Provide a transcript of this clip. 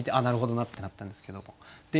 なるほどなってなったんですけども。